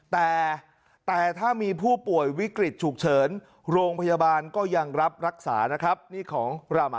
แต่แต่ถ้ามีผู้ป่วยวิกฤตฉุกเฉินโรงพยาบาลก็ยังรับรักษานะครับ